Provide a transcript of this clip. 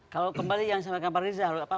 kalau kembali yang saya bagikan pak rizal apa